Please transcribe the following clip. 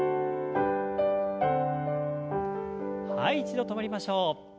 はい一度止まりましょう。